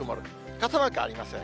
傘マークありません。